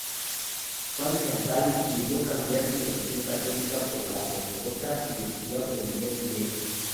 Marie-Chantal debió cambiar su religión católica por la ortodoxa, y decidió aprender griego.